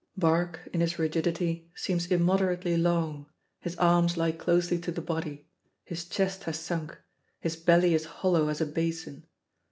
Barque in his rigidity seems immoderately long, his arms lie closely to the body, his chest has sunk, his belly is hollow as a basin.